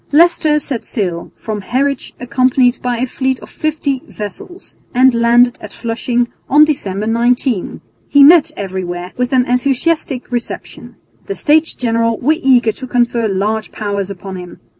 Leicester set sail from Harwich accompanied by a fleet of fifty vessels and landed at Flushing on December 19. He met everywhere with an enthusiastic reception. The States General were eager to confer large powers upon him.